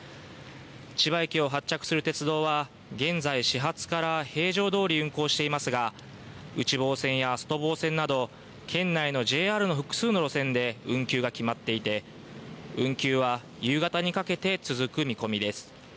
千葉駅を発着する鉄道は現在、始発から平常どおり運行していますが、内房線や外房線など、県内のＪＲの複数の路線で運休が決まっていて、運休は夕方にかけて続く見込みです。